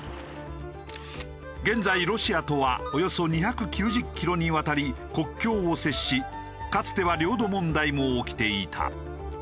現在ロシアとはおよそ２９０キロにわたり国境を接しかつては領土問題も起きていた。